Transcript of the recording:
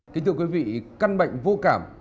kính thưa quý vị căn bệnh vô cảm